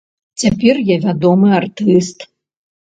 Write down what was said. Цяпер я вядомы артыст.